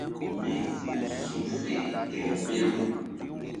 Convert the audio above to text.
Mí ku su̧fe gel mbew.